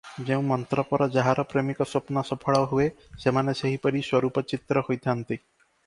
ଯେଉଁ ମନ୍ତ୍ରପର ଯାହାର ପ୍ରେମିକ ସ୍ୱପ୍ନ ସଫଳ ହୁଏ, ସେମାନେ ସେହିପରି ସ୍ୱରୂପ ଚିତ୍ର ହୋଇଥାନ୍ତି ।